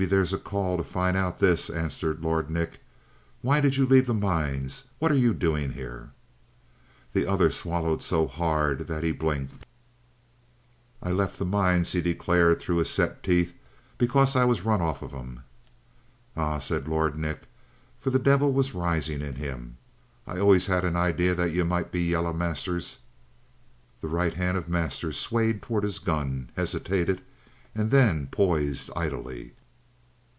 "Maybe there's a call to find out this," answered Lord Nick. "Why did you leave the mines? What are you doing up here?" The other swallowed so hard that he blinked. "I left the mines," he declared through his set teeth, "because I was run off 'em." "Ah," said Lord Nick, for the devil was rising in him, "I always had an idea that you might be yellow, Masters." The right hand of Masters swayed toward his gun, hesitated, and then poised idly.